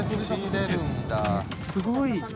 すごい。